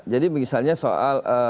jadi misalnya soal